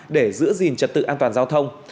để giữ gìn chất tự an toàn giao thông